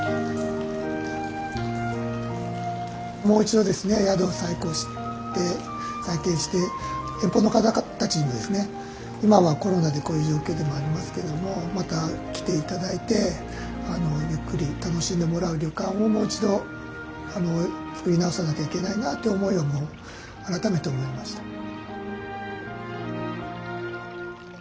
もう一度ですね宿を再興して再建して遠方の方たちにもですね今はコロナでこういう状況でもありますけどもまた来て頂いてゆっくり楽しんでもらう旅館をもう一度作り直さなきゃいけないなって思いを改めて思いました。